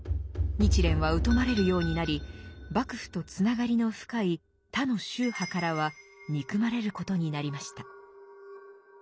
日蓮は疎まれるようになり幕府とつながりの深い他の宗派からは憎まれることになりました。